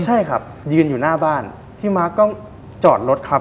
ใช่ครับยืนอยู่หน้าบ้านพี่มาร์คก็จอดรถครับ